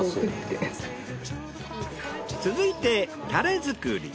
続いてたれ作り。